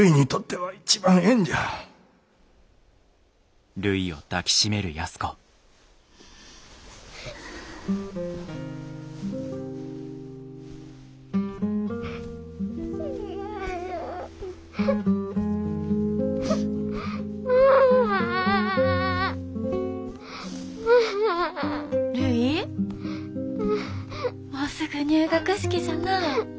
もうすぐ入学式じゃなあ。